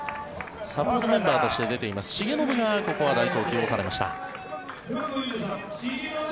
サポートメンバーとして出ています重信がここは代走に起用されました。